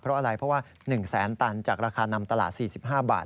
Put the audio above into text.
เพราะอะไรเพราะว่า๑แสนตันจากราคานำตลาด๔๕บาท